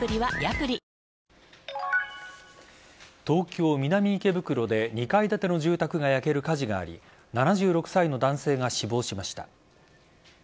東京・南池袋で２階建ての住宅が焼ける火事があり７６歳の男性が死亡しました。